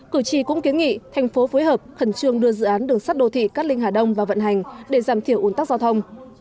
cử tri cũng kiến nghị thành phố phối hợp khẩn trương đưa dự án đường sắt đô thị cát linh hà đông vào vận hành để giảm thiểu ủn tắc giao thông